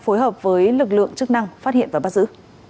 phối hợp với lực lượng chức năng phát hiện và bắt giữ